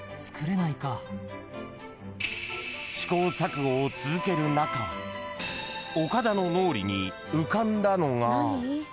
［試行錯誤を続ける中岡田の脳裏に浮かんだのが］